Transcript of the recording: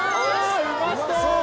うまそう！